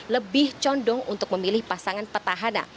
lebih condong untuk memilih pasangan petahana